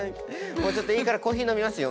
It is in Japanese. もういいからコーヒー飲みますよ。